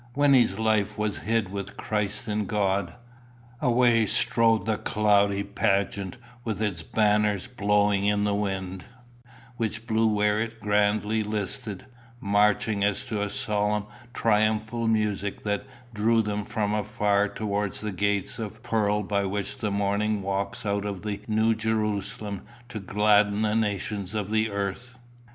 Wynnie's life was hid with Christ in God. Away strode the cloudy pageant with its banners blowing in the wind, which blew where it grandly listed, marching as to a solemn triumphal music that drew them from afar towards the gates of pearl by which the morning walks out of the New Jerusalem to gladden the nations of the earth.